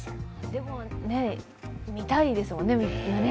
でも見たいですもんね、みんな。